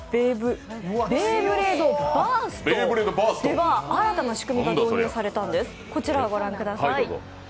ベイブレードバーストでは新たな仕組みが導入されたんです。